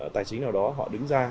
tài chính nào đó họ đứng ra